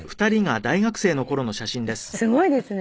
すごいですね。